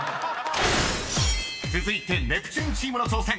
［続いてネプチューンチームの挑戦。